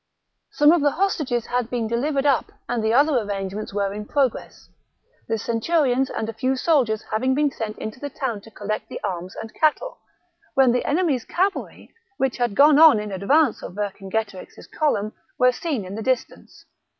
Some of the hostages had been delivered up and the other arrangements were in progress, the centurions and a few soldiers having been sent into the town to collect the arms and cattle, when the enemy's cavalry, which had gone on in advance of Vercingetorix's column, were seen in the distance.